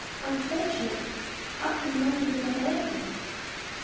Unfortunate ! how can money then avail him?